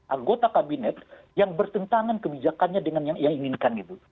anggota kabinet yang bertentangan kebijakannya dengan yang ia inginkan gitu